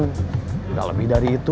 tidak lebih dari itu